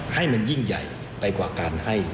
ให้มันยิ่งใหญ่ไปกว่าการให้